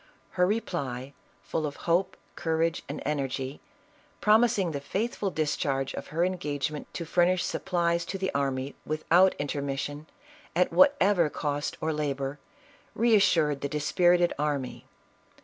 Her reply, full of hope, courage and energy, promising the faithful discharge of her engage ment to furnish supplies to the army without intermis sion, at whatever cost or labor, reassured the dispirited army.